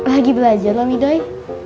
lagi belajar om idoi